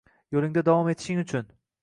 yo‘lingda davom etishing uchun